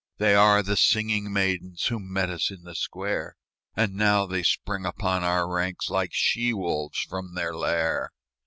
They are the singing maidens Who met us in the square; And now they spring upon our ranks Like she wolves from their lair.